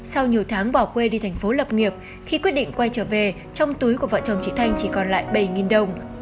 sau nhiều tháng bỏ quê đi thành phố lập nghiệp khi quyết định quay trở về trong túi của vợ chồng chị thanh chỉ còn lại bảy đồng